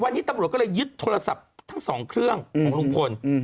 วันนี้ตำรวจก็เลยยึดโทรศัพท์ทั้งสองเครื่องของลุงพล